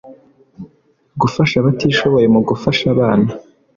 Gufasha abatishoboye mu gufasha abana